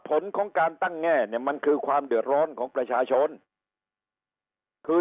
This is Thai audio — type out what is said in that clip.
ผลของการตั้งแง่เนี่ยมันคือความเดือดร้อนของประชาชนคือ